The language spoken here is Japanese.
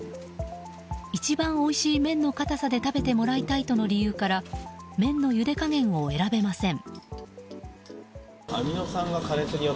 一番おいしい麺の硬さで食べてもらいたいとの理由から麺のゆで加減を選べません。